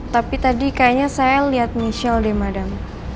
tapi tadi kayaknya saya liat michelle deh madam